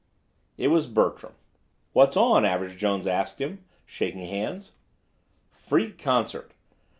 It was Bertram. "What's on?" Average Jones asked him, shaking hands. "Freak concert.